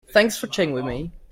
Thanks for chatting with me.